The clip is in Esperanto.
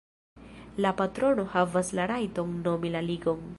La patrono havas la rajton nomi la ligon.